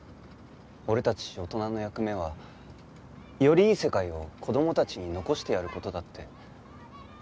俺たち大人の役目はよりいい世界を子供たちに残してやる事だって。